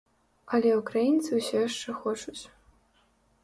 Але ўкраінцы ўсё яшчэ хочуць.